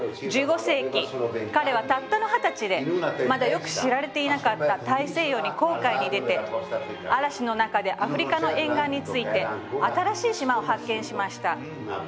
１５世紀、彼はたったの二十歳でまだよく知られていなかった大西洋に航海に出て嵐の中でアフリカの沿岸について新しい島を発見しました。